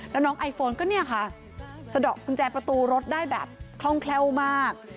แล้วน้องไอโฟนก็เนี่ยค่ะสะดอกกุญแจประตูรถได้แบบคล่องแคล่วมาก